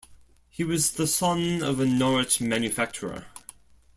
He was the son of a Norwich manufacturer.